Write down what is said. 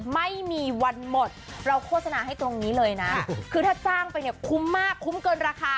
ไม่มีวันหมดเราโฆษณาให้ตรงนี้เลยนะคือถ้าจ้างไปเนี่ยคุ้มมากคุ้มเกินราคา